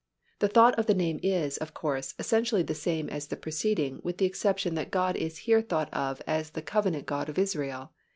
The thought of the name is, of course, essentially the same as the preceding with the exception that God is here thought of as the Covenant God of Israel.